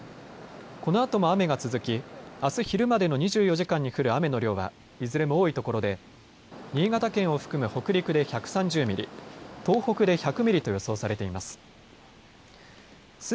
このあとも雨が続きあす昼までの２４時間に降る雨の量はいずれも多いところで新潟県を含む北陸で１３０ミリ、東北で１００ミリと予想されています。